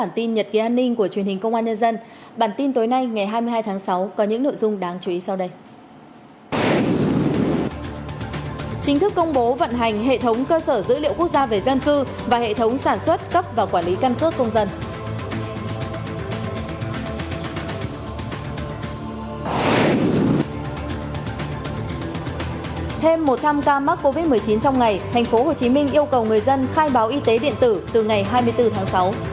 thêm một trăm linh ca mắc covid một mươi chín trong ngày thành phố hồ chí minh yêu cầu người dân khai báo y tế điện tử từ ngày hai mươi bốn tháng sáu